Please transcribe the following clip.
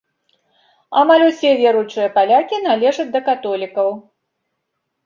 Амаль усе веруючыя палякі належаць да католікаў.